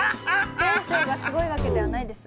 店長がすごいわけではないです。